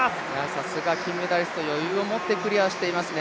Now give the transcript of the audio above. さすが金メダリスト、余裕をもってクリアしていますね。